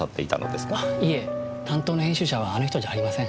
いえ担当の編集者はあの人じゃありません。